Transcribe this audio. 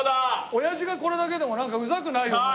おやじがこれだけでもなんかウザくないよね。